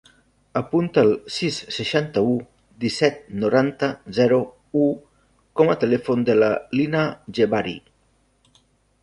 Apunta el sis, seixanta-u, disset, noranta, zero, u com a telèfon de la Lina Jebari.